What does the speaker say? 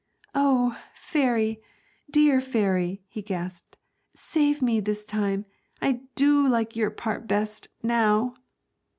'Oh, fairy, dear fairy,' he gasped, 'save me this time. I do like your part best, now!'